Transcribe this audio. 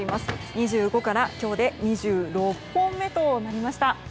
２５から今日で２６本目となりました。